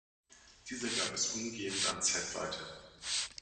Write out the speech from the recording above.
Dieser gab es umgehend an Seth weiter.